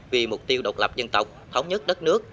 vì mục tiêu độc lập dân tộc thống nhất đất nước